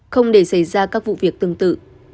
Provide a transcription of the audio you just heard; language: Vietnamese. không để xảy ra các vụ việc tương tự